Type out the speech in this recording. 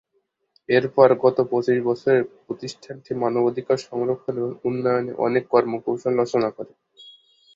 এরপর গত পঁচিশ বছরে প্রতিষ্ঠানটি মানবাধিকার সংরক্ষণ ও উন্নয়নে অনেক কর্মকৌশল রচনা করে।